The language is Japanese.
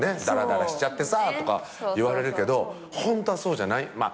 「だらだらしちゃってさ」とか言われるけどホントはそうじゃない。